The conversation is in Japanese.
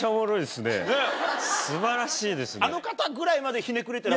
素晴らしいですね。